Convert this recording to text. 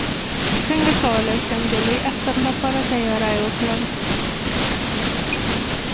څنګه کولی شم د لوی اختر لپاره تیاری وکړم